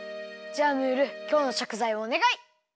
じゃあムールきょうのしょくざいおねがい！